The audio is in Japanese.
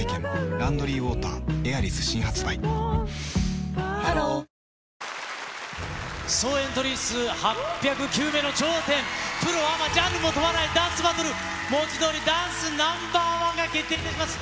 「ランドリーウォーターエアリス」新発売ハロー総エントリー数８０９名の頂点、プロアマ、ジャンルも問わないダンスバトル、文字どおりダンス Ｎｏ．１ が決定いたします。